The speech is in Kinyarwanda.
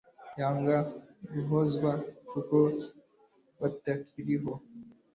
yanga guhozwa kuko batakiriho."